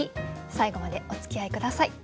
最後までおつきあい下さい。